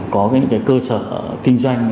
có những cơ sở kinh doanh